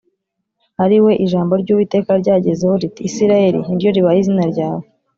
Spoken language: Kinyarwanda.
ari we ijambo ry’Uwiteka ryagezeho riti “Isirayeli ni ryo ribaye izina ryawe”